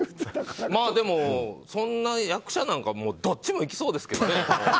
でも、そんな役者なんかどっちもいきそうですけどね。